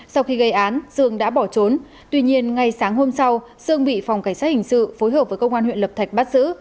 sau khi gây án sương đã bỏ trốn tuy nhiên ngay sáng hôm sau sương bị phòng cảnh sát hình sự phối hợp với công an huyện lập thạch bắt giữ